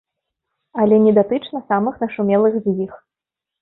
Але не датычна самых нашумелых з іх.